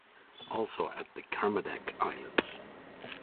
Also at the Kermadec Islands.